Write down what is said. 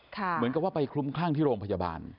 เหมือนกับว่าไปคลุมคลั่งที่โรงพยาบาล